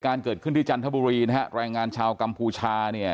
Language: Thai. เหตุการณ์เกิดขึ้นที่จันทบุรีนะครับแรงงานชาวกัมภูชาเนี่ย